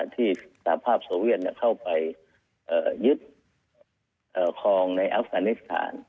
สภาพโซเวียนเข้าไปยึดคลองในอัฟกานิสถาน